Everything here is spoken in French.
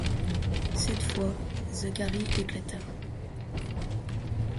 Cette fois, Zacharie éclata.